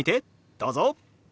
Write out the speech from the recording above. どうぞ。